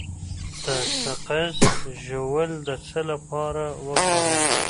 د سقز ژوول د څه لپاره وکاروم؟